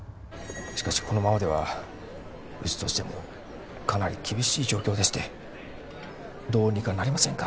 しかしこのままではウチとしてもかなり厳しい状況でしてどうにかなりませんか？